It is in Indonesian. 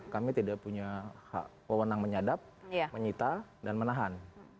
kami tidak punya hak pewenang menyadap menyita dan menahan